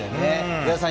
上田さん